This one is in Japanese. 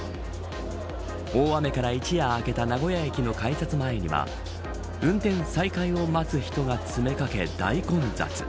大雨から一夜明けた名古屋駅の改札前には運転再開を待つ人が詰めかけ大混雑。